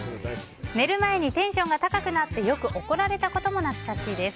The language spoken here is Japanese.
寝る前にテンションが高くなってよく怒られたことも懐かしいです。